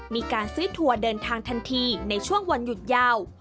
มีการซื้อทัวร์เดินทางทันทีในช่วงวันหยุดยาว